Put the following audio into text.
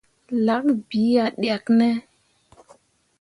Lak bii ah ɗyakkene ?